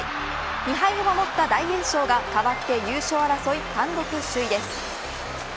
２敗を守った大栄翔が代わって優勝争い単独首位です。